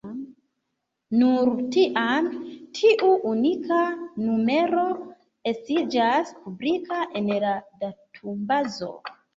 Nur tiam, tiu unika numero estiĝas publika en la datumbazo.